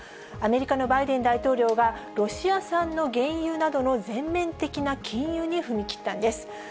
アメリカのバイデン大統領は、ロシア産の原油などの全面的な禁輸に踏み切ったんです。